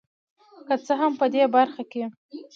که څه هم په دې برخه کې